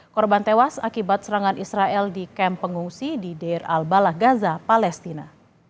korban tewas akibat serangan israel di kamp pengungsi di dair al balah gaza palestina